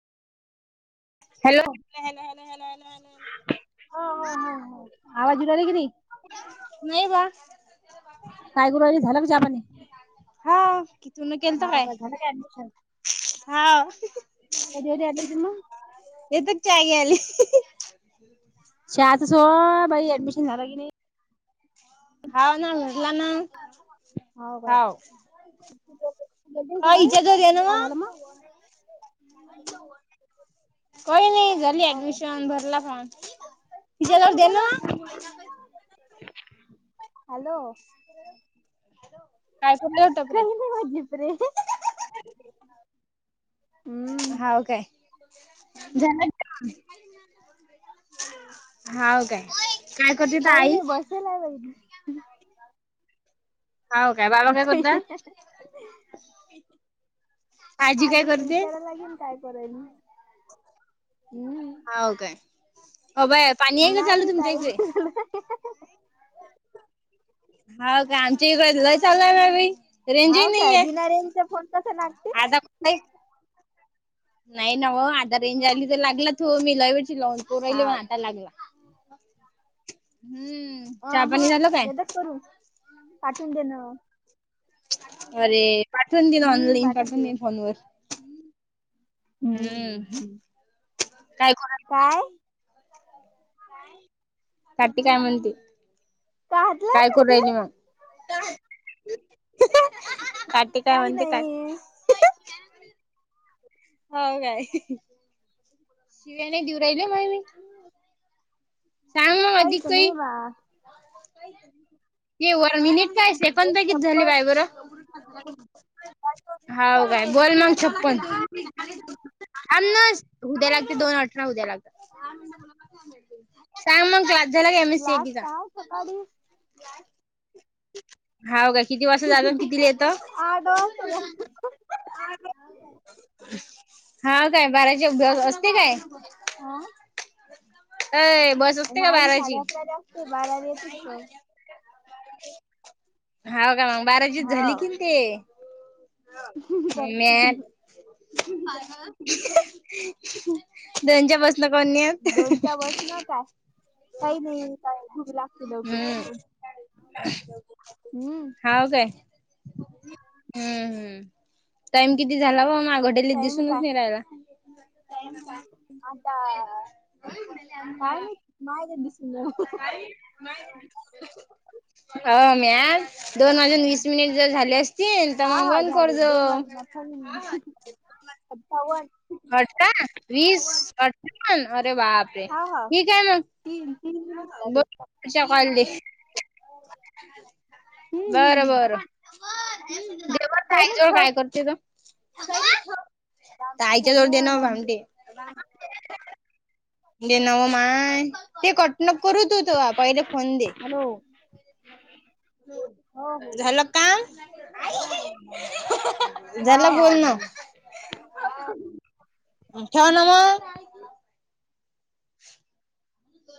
Hello हा ह हा ह आवाज येऊन राहिले की नाही? नाही बा काय गुरुवारी झाल काय चहापाणी? हा की तून केलता काय हां. अधवद्या यावी तम [unintelligible] ये तक चाय आली. शाच स भाई ऍडमिशन झालं की नाही. हव ना मिला ना हव ग सका काय झालं मग कोय नाही झाली हो काय ऍडमिशन भरला फॉर्म हा जेलर नानू देेन बोला हॅलो काय कुठल्या टपरे काही नाही भाजीप रे हव काय हव काय काय करते तर काही आई नाही बसेल बाई हो काय बाबा काय काही करत आगे विचारा लागेल काय करायला हो काय हो बाय पाणी आहे का चालू नाही तुमच्या इथे ताई हा का आमची इकडे ल चालय ना रेंजही हाव नाही काय आहे बिना रेंजचा फोन कसा लागते आता नाही नाव आधा रेंज आली तर लागला त हो मला लवनपू राहिली वण हाव काय हटायला लागला हम्म अ चहा हा पाणी झालं काय? ददा करू पाठवून देणं अरे पाठवून दे ना ऑनलाईन पाठवून दे फोनवर हम्म काय करा काय काठी काय म्हणते काटलंय काय करू राहिली काटलं काट काय काही म्हणते काट नाही हो काय तेणे देऊ राहिले मले मी सांग कायत नवा हे वर मिनिट काय एक सेकंड किती झाले छप्पन बाय बरं काही दोन मिनिट हाव झाले काय दोन बोल मिनिट मग छप्पन आन उद्या लागते दोन अठरा उद्या लागत सांग म जला का एम एस क्लास सीबी का सकाळी आठ वा [unintelligible] हा काय बाराचे अभ्यास असते काय, हा अय बस असते का नाही बाराची? साडे अकराला असते बाराला येत असत. हा का मग बाराजी हो झाली की ते, चल म्या [unintelligible] दोनच्या बस करन दोनच्या बस ना काय [unintelligible] काही नाही काय घूमी लागती लवघू हम्म. सकून. हम्म हाव का हम्म! हम्म. टाइम किती झाला बघ? मा आघड्यालीत टाइम दिसूनच काय नाही रायला. आता, काय माहित? माय दिसू अं दोन वाजून वीस मिनिट जर झाले अस तन तर हा मग हा बंद झाले करज दोन वाजून अठ्ठावीस अठ्ठावन्न ठ वीस अठान अरे बापरे हा हा ठीक आहे मग तीन तीन मिनिट झाले बच्या कलली हम्म हम्म बरं हम्म बरं जव त्या काही नाही आईजवर ठेव काय करते त आईच्या ठेव जवळ दे ना आमचे भामते माय ते कटनप करत होतो पहिले फोन दे. हॅलो हो हो झालं का? [unintelligible] हो हो. ठेव ना मग,